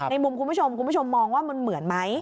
มุมคุณผู้ชมคุณผู้ชมมองว่ามันเหมือนไหม